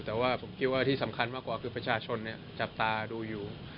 แต่ว่าผมคิดว่าที่สำคัญมากกว่าคือประชาชนจับตาดูอยู่